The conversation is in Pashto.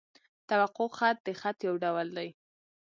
توقع خط؛ د خط یو ډول دﺉ.